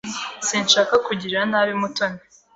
Sinshaka kugirira nabi Mutoni.